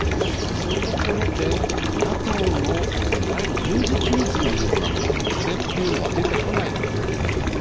そのところで、ＮＡＴＯのいわゆる軍事機密のようなものの壁っていうのは出てこないのかという辺り